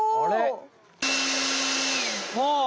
お。